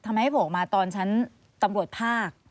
ทำไมไม่โผล่ออกมาตอนชั้นตำรวจภาค